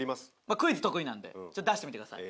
クイズ得意なんで出してみてください。